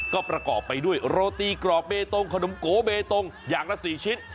ก็ประกอบไปด้วยโรตีกรอบเบตงขนมโกเบตงอย่างละ๔ชิ้น